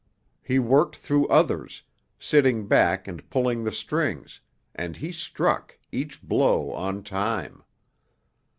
He worked through others, sitting back and pulling the strings, and he struck, each blow on time.